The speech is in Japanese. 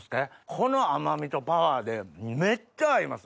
この甘みとパワーでめっちゃ合います。